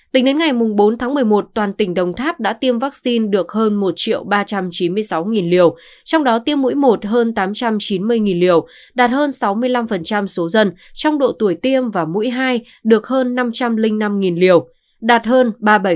tính đến ngày bốn tháng một mươi một toàn tỉnh đồng tháp đã tiêm vaccine được hơn một ba trăm chín mươi sáu liều trong đó tiêm mũi một hơn tám trăm chín mươi liều đạt hơn sáu mươi năm số dân trong độ tuổi tiêm và mũi hai được hơn năm trăm linh năm liều đạt hơn ba mươi bảy